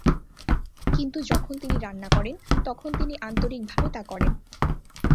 কিন্তু যখন তিনি রান্না করেন, তখন তিনি আন্তরিকভাবে তা করেন।